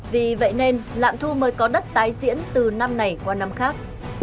vì vậy nên lạm thu mới có đất tái diễn từ năm này qua năm khác